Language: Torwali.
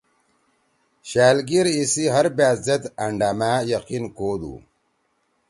شألگیر ایسی ہر بأت زید أنڈأمأ یقین کودُو۔